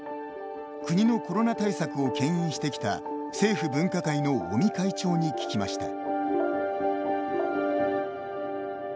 国のコロナ対策をけん引してきた政府分科会の尾身会長に聞きました。